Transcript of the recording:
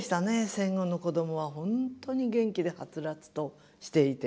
戦後の子どもは本当に元気ではつらつとしていて。